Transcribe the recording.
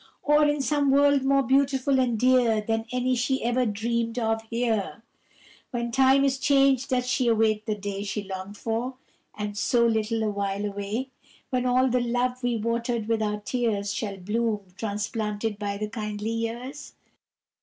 Or, in some world more beautiful and dear Than any she ever even dreamed of here, Where time is changed, does she await the day She longed for, and so little a while away, When all the love we watered with our tears Shall bloom, transplanted by the kindly years?